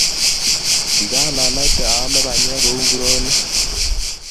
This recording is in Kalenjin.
Kigaanaite aame panyek kou nguronik.